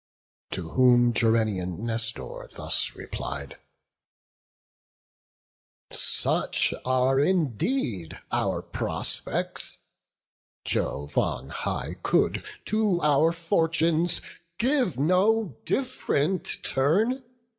To whom Gerenian Nestor thus replied: "Such are indeed our prospects; Jove on high Could to our fortunes give no diff'rent turn.